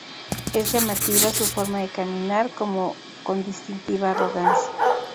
Es llamativa su forma de caminar, como con "distintiva arrogancia".